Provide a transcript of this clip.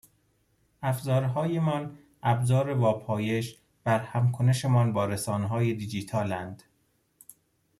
افزارههایمان ابزار واپایش برهمکنشمان با رسانههای دیجیتالند